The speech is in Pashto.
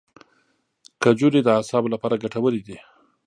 کجورې د اعصابو لپاره ګټورې دي.